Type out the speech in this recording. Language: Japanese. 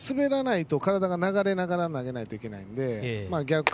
滑らないと体が流れながら投げないといけません。